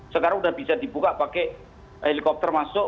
sekarang sudah bisa dibuka pakai helikopter masuk